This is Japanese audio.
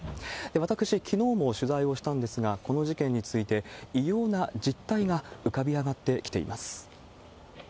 私、きのうも取材をしたんですが、この事件について、異様な実態が浮かび上がってきています。